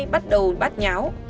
bắt đầu bắt nháo